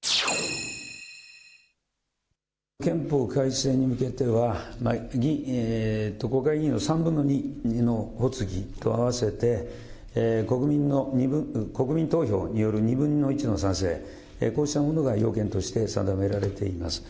憲法改正に向けては、国会議員の３分の２の発議と合わせて、国民投票による２分の１の賛成、こうしたものが要件として定められています。